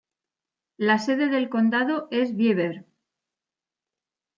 La sede del condado es Beaver.